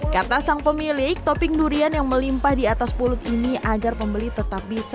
kata sang pemilik topping durian yang melimpah di atas pulut ini agar pembeli tetap bisa menyantap durian di dalam